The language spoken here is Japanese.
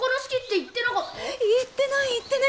言ってない言ってない！